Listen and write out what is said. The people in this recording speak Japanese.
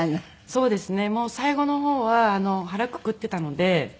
そうですね。